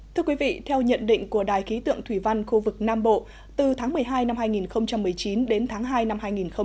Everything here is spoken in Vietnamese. thưa quý vị theo nhận định của đài ký tượng thủy văn khu vực nam bộ từ tháng một mươi hai năm hai nghìn một mươi chín đến tháng hai năm hai nghìn hai mươi